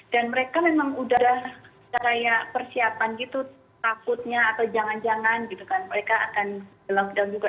dan mereka memang udah raya persiapan gitu takutnya atau jangan jangan gitu kan mereka akan lock down juga